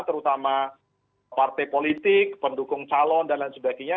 terutama partai politik pendukung calon dan lain sebagainya